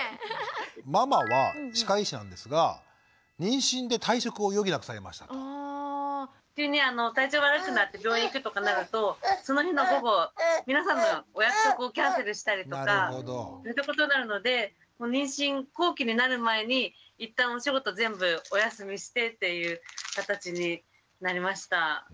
ママは歯科医師なんですが急に体調悪くなって病院行くとかなるとその日の午後皆さんのお約束をキャンセルしたりとかそういったことになるので妊娠後期になる前に一旦お仕事全部お休みしてっていう形になりました。